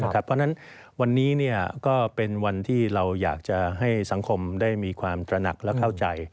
เพราะฉะนั้นวันนี้ก็เป็นวันที่เราอยากจะให้สังคมได้มีความตระหนักและเข้าใจ